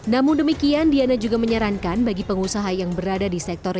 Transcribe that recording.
namun demikian diana juga menyarankan bagi pengusaha yang berada di sektor